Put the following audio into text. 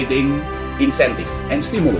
memberikan insentif dan stimulus